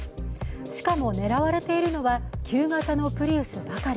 しかも狙われているのは旧型のプリウスばかり。